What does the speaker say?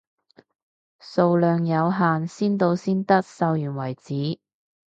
數量有限，先到先得，售完為止，